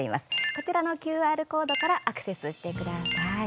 こちらのＱＲコードからアクセスしてください。